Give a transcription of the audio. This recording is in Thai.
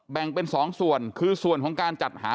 แบ่งเป็น๒ส่วนคือส่วนของการจัดหา